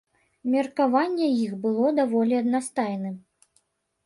Меркаванне іх было даволі аднастайным.